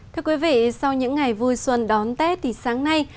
thưa quý vị sau những ngày vui xuân đón tết thì sáng nay